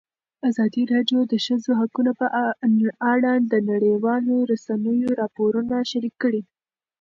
ازادي راډیو د د ښځو حقونه په اړه د نړیوالو رسنیو راپورونه شریک کړي.